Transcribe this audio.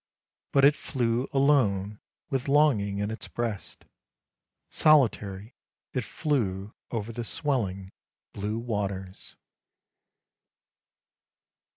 But it flew alone with longing in its breast. Solitary it flew over the swelling blue waters."